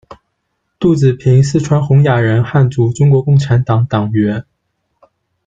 杜紫平，四川洪雅人，汉族，中国共产党党员。